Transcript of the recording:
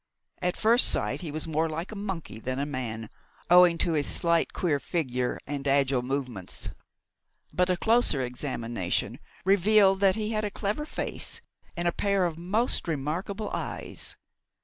At first sight he was more like a monkey than a man, owing to his slight, queer figure and agile movements; but a closer examination revealed that he had a clever face, and a pair of most remarkable eyes.